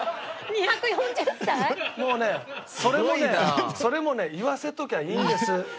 もうねそれもね言わせときゃいいんです。